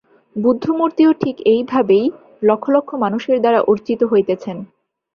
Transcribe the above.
বুদ্ধমূর্তিও ঠিক এইভাবেই লক্ষ লক্ষ মানুষের দ্বারা অর্চিত হইতেছেন।